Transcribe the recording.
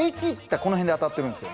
この辺で当たってるんですよ。